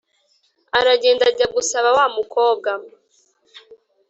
aragenda ajya gusaba wa mukobwa.